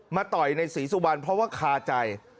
ต่อยในศรีสุวรรณเพราะว่าคาใจ